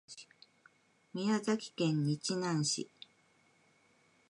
宮崎県日南市